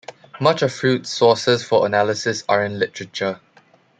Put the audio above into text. Much of Freud's sources for analysis are in literature.